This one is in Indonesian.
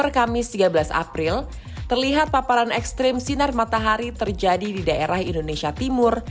kamis tiga belas april terlihat paparan ekstrim sinar matahari terjadi di daerah indonesia timur